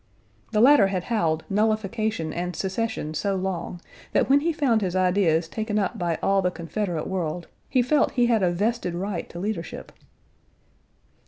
The latter had howled nullification and secession so long that when he found his ideas taken up by all the Confederate world, he felt he had a vested right to leadership."